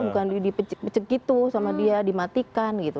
bukan dicek gitu sama dia dimatikan gitu